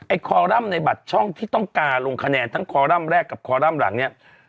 คอรัมป์ในบัตรช่องที่ต้องการลงคะแนนทั้งคอรัมป์แรกกับคอรัมป์หลังเนี่ย